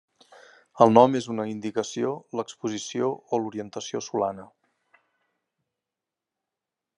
El nom és una indicació l'exposició o l'orientació solana.